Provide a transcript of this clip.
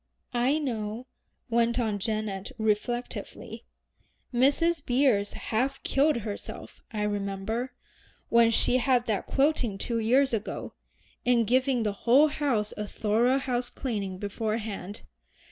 "I know," went on Janet reflectively. "Mrs. Beers half killed herself, I remember, when she had that quilting two years ago, in giving the whole house a thorough house cleaning beforehand.